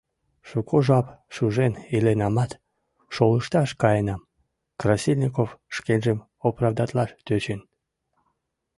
«Шуко жап шужен иленамат, шолышташ каенам», — Красильников шкенжым оправдатлаш тӧчен.